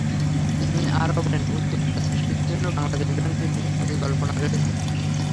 তিনি আরও বলেন, উদ্যোক্তা সৃষ্টির জন্য বাংলাদেশ ব্যাংকের বিশেষ পরিকল্পনা রয়েছে।